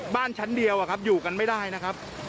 บ้านชั้นเดียวอยู่กันไม่ได้นะครับ